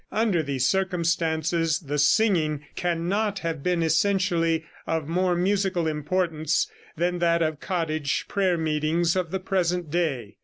Under these circumstances the singing cannot have been essentially of more musical importance than that of cottage prayer meetings of the present day.